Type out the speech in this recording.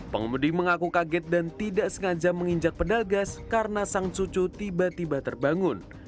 pengemudi mengaku kaget dan tidak sengaja menginjak pedal gas karena sang cucu tiba tiba terbangun